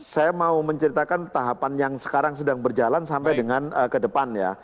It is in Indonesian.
saya mau menceritakan tahapan yang sekarang sedang berjalan sampai dengan ke depan ya